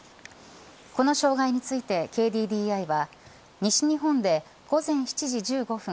この障害についてＫＤＤＩは西日本で午前７時１５分